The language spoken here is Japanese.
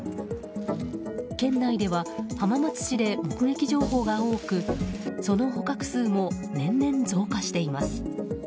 県内では浜松市で目撃情報が多くその捕獲数も年々増加しています。